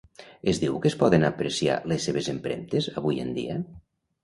Es diu que es poden apreciar les seves empremtes avui en dia?